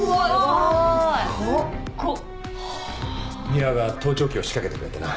三和が盗聴器を仕掛けてくれてな。